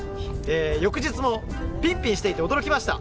翌日もぴんぴんしていて驚きました。